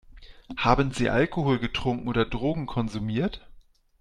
Haben Sie Alkohol getrunken oder Drogen konsumiert?